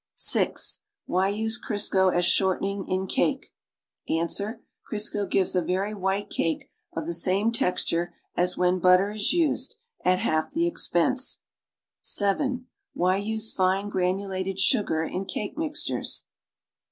(0) Why use Crisco as shortening in cake? Ans. Crisco gives a very white cake of the same texture as when butter is used, at half the expense. (7) Why use fine granulated sugar in cake mixtures?